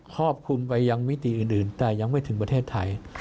ครอบคลุมไปยังมิติอื่นแต่ยังไม่ถึงประเทศไทย